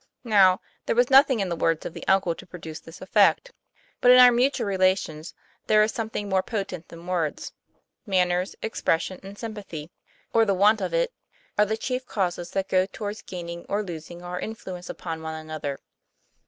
Now, there was nothing in the words of the uncle to produce this effect; but in our mutual relations there is something more potent than words. Manner, expression, and sympathy, or the I3 2 TOM PLAYFAIR. want of it, are the chief causes that go towards gain ing or losing our influence upon one another.